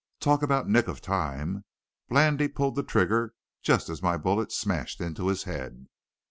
Talk about nick of time! Blandy pulled trigger just as my bullet smashed into his head.